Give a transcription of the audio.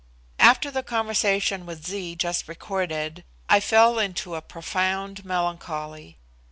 After the conversation with Zee just recorded, I fell into a profound melancholy.